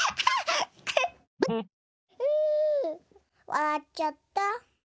わらっちゃった。